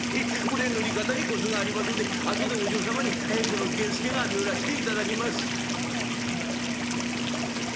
これ塗り方にコツがありますので後でお嬢様にはいこの源助が塗らしていただきます」。